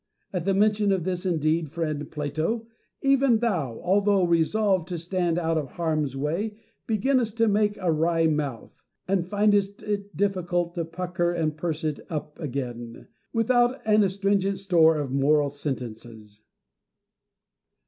At the mention of this indeed, friend Plato, even thou, although resolved to stand out of harm's way, beginnest to make a DIOGENES AND PLA TO. 183 wry mouth, and findest it difficult to pucker and purse it up again, without an astringent store of moral sentences.